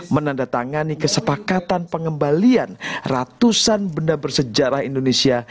menandatangani kesepakatan pengembalian ratusan benda bersejarah indonesia